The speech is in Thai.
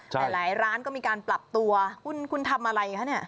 หลายร้านก็มีการปรับตัวคุณทำอะไรคะเนี่ย